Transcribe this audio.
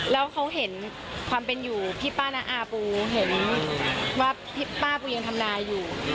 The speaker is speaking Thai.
แล้วเขาเห็นความเป็นอยู่พี่ป้าน้าอาปูเห็นว่าพี่ป้าปูยังทำนายอยู่